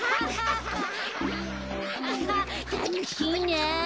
たのしいな！